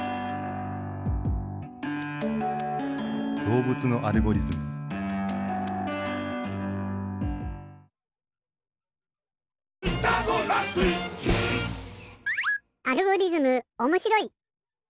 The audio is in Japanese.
どうぶつのアルゴリズムアルゴリズムおもしろい！